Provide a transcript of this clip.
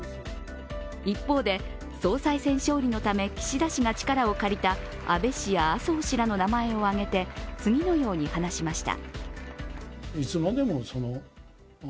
一方で、総裁選勝利のため岸田氏が力を借りた安倍氏や麻生氏らの名前を挙げて次のように話しました。